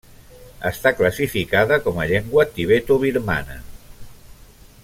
Està classificada com a llengua tibetobirmana.